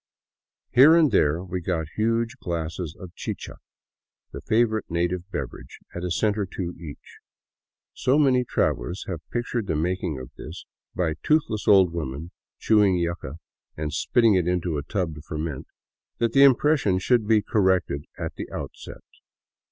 Here and there we got huge glasses of chicha, the favorite native beverage, at a cent or two each. So many travelers have pictured the making of this by toothless old women chewing yuca and spitting it into a tub to ferment, that the impression should be corrected at the outset.